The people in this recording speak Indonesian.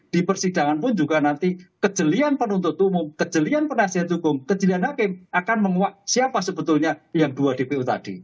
di persidangan pun juga nanti kejelian penuntut umum kejelian penasihat hukum kejelian hakim akan menguak siapa sebetulnya yang dua dpo tadi